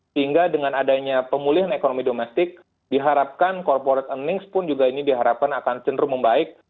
sehingga dengan adanya pemulihan ekonomi domestik diharapkan corporate earnings pun juga ini diharapkan akan cenderung membaik